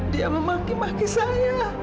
dia memaki maki saya